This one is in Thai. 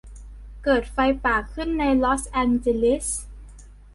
เกิดไฟป่าขึ้นในลอสแองเจลิส